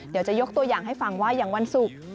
เดี๋ยวจะยกตัวอย่างให้ฟังว่าอย่างวันศุกร์